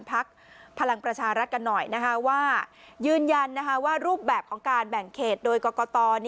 พักพลังประชารัฐกันหน่อยว่ายืนยันว่ารูปแบบของการแบ่งเขตโดยกรกต